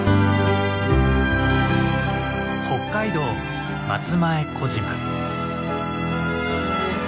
北海道松前小島。